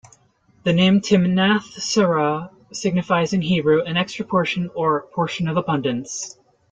The name "Timnath-serah" signifies in Hebrew an "extra portion" or "portion of abundance".